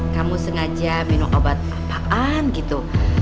kamu sengaja minum obat apaan gitu